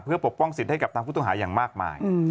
เพื่อปกป้องสิทธิ์ให้กับทางผู้ต้องหาอย่างมากมาย